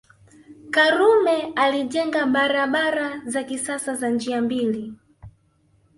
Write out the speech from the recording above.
Karume alijenga barabara za kisasa za njia mbili